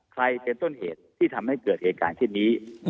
ใครเป็นต้นเหตุที่ทำให้เกิดเหตุการณ์เช่นนี้